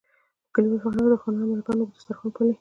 په کلیوال فرهنګ کې خانان او ملکان اوږد دسترخوان پالي.